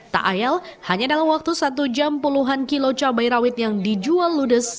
tak ayal hanya dalam waktu satu jam puluhan kilo cabai rawit yang dijual ludes